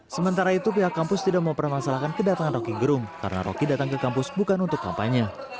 sementara itu pihak kampus tidak mempermasalahkan kedatangan roky gerung karena rocky datang ke kampus bukan untuk kampanye